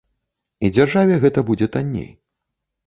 І дзяржаве гэта будзе танней.